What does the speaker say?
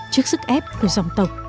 trước sức ép của dòng tộc